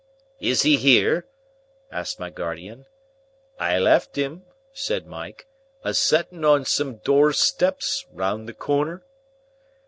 "Is he here?" asked my guardian. "I left him," said Mike, "a setting on some doorsteps round the corner."